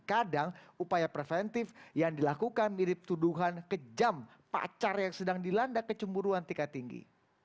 kadang upaya preventif yang dilakukan mirip tuduhan kejam pacar yang sedang dilanda kecemburuan tingkat tinggi